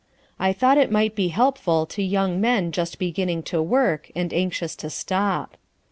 I thought it might be helpful to young men just beginning to work and anxious to stop.